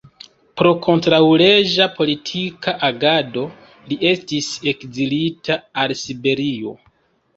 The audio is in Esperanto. Pro kontraŭleĝa politika agado li estis ekzilita al Siberio.